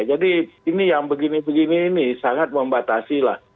jadi ini yang begini begini ini sangat membatasi lah